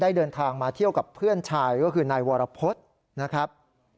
เดินทางมาเที่ยวกับเพื่อนชายก็คือนายวรพฤษนะครับ